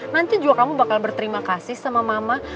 nanti juga kamu bakal berterima kasih sama mama